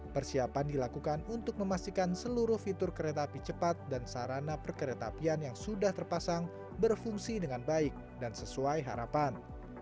persiapan dilakukan untuk memastikan seluruh fitur kereta api cepat dan sarana perkereta apian yang sudah terpasang berfungsi dengan baik dan sesuai harapan